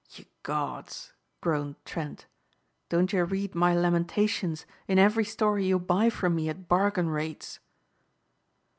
"Ye Gods," groaned Trent, "don't you read my lamentations in every story you buy from me at bargain rates?"